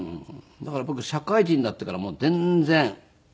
だから僕社会人になってからもう全然。